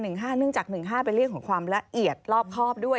เนื่องจาก๑๕เป็นเรื่องของความละเอียดรอบครอบด้วย